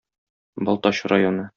Балтач районы.